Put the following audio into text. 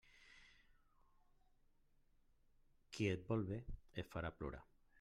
Qui et vol bé, et farà plorar.